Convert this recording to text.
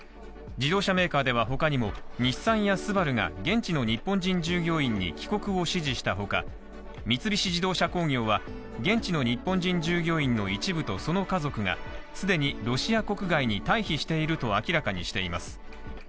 自動車メーカーでは他でも日産やＳＵＢＡＲＵが現地の日本人従業員に帰国を指示したほか三菱自動車工業は、現地の日本人従業員の一部とその家族が、既にロシア国外に退避していると明らかにしています。